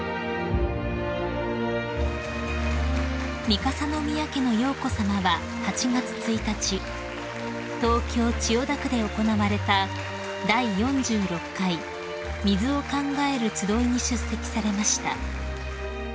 ［三笠宮家の瑶子さまは８月１日東京千代田区で行われた第４６回水を考えるつどいに出席されました］